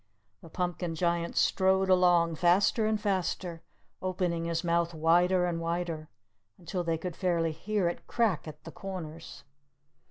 The Pumpkin Giant strode along faster and faster, opening his mouth wider and wider, until they could fairly hear it crack at the corners.